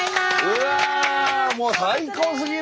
うわもう最高すぎる！